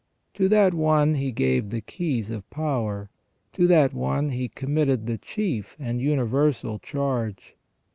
To that one He gave the keys of power. To that one He com mitted the chief and universal charge.